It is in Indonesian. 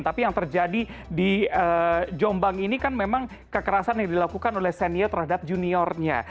tapi yang terjadi di jombang ini kan memang kekerasan yang dilakukan oleh senior terhadap juniornya